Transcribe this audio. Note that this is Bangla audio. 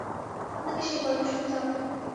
আপনাকে সেই গল্প শুনতে হবে।